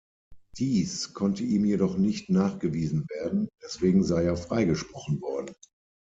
Dies konnte ihm jedoch nicht nachgewiesen werden, deswegen sei er freigesprochen worden.